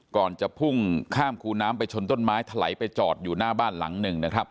ก่อนจะพุ่งข้ามคูน้ำไปชนต้นไม้ถลายไปจอดอยู่หน้าบ้านหลังหนึ่งนะครับ